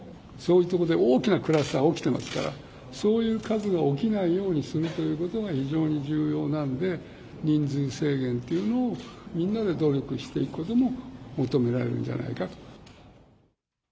そういう所で大きなクラスターが起きていますから、そういう数が起きないようにするということが非常に重要なんで、人数制限というのをみんなで努力していくことも求められるのではないかと。